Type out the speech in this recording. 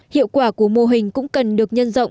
hiệu quả của mô hình cũng cần được nhận ra